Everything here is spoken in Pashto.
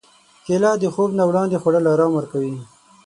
کېله د خوب نه وړاندې خوړل ارام ورکوي.